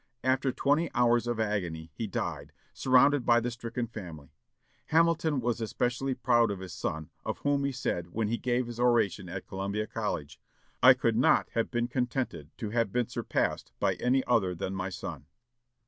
After twenty hours of agony, he died, surrounded by the stricken family. Hamilton was especially proud of this son, of whom he said, when he gave his oration at Columbia College, "I could not have been contented to have been surpassed by any other than my son."